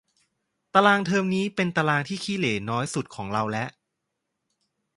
ตารางเทอมนี้เป็นตารางที่ขี้เหร่น้อยสุดของเราละ